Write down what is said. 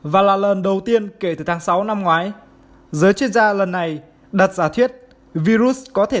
và là lần đầu tiên kể từ tháng sáu năm ngoái giới chuyên gia lần này đặt giả thiết virus có thể